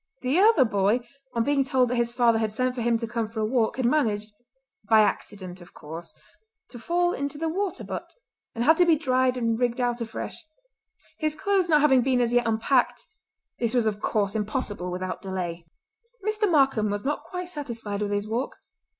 The other boy, on being told that his father had sent for him to come for a walk, had managed—by accident, of course—to fall into the water butt, and had to be dried and rigged out afresh. His clothes not having been as yet unpacked this was of course impossible without delay. Mr. Markam was not quite satisfied with his walk.